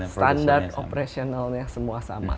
standard operational yang semua sama